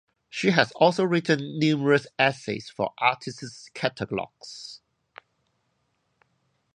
She has also written numerous essays for artists' catalogues.